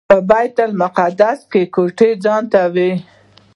بیت المقدس کې مې کوټه ځانته وه.